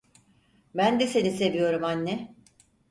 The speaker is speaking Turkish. Ben de seni seviyorum anne.